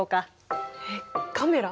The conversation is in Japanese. えっカメラ？